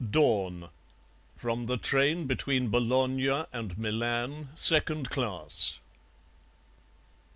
Dawn (From the train between Bologna and Milan, second class.)